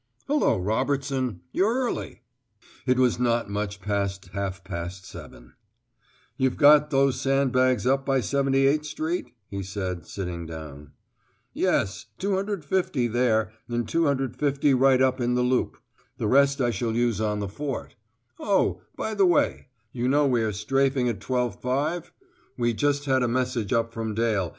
"Hullo, Robertson; you're early!" It was not much past half past seven. "You've got those sand bags up by 78 Street?" he said, sitting down. "Yes, 250 there, and 250 right up in the Loop. The rest I shall use on the Fort. Oh! by the way, you know we are strafing at 12.5? We just had a message up from Dale.